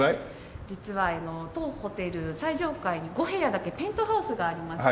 実は当ホテル最上階に５部屋だけペントハウスがありまして。